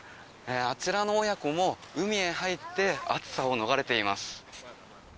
あちらの親子も海へ入って暑さを逃れています。